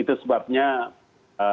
itu sebabnya dalam hari senin